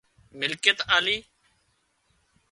ملڪيت آلي